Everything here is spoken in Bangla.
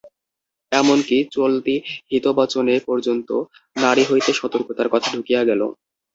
এমন কি চলতি হিতবচনে পর্যন্ত নারী হইতে সতর্কতার কথা ঢুকিয়া গেল।